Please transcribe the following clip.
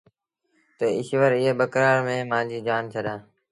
تا ايٚشور ايئي ٻڪرآڙ مآݩ مآݩجيٚ جآن ڇڏآ۔